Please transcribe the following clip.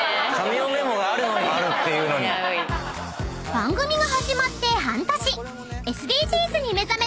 ［番組が始まって半年］